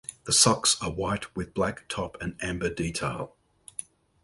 The socks are white with black top and amber detail.